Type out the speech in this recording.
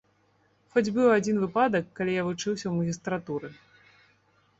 Хоць быў адзін выпадак, калі я вучыўся ў магістратуры.